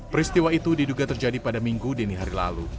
peristiwa itu diduga terjadi pada minggu dini hari lalu